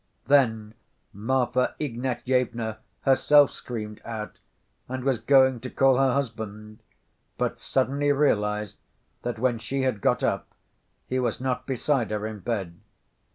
Then Marfa Ignatyevna herself screamed out and was going to call her husband, but suddenly realized that when she had got up, he was not beside her in bed.